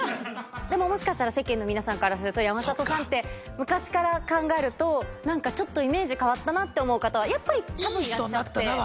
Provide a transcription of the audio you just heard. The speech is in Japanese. でももしかしたら世間の皆さんからすると山里さんって昔から考えると何かちょっと。って思う方はやっぱり多分いらっしゃって。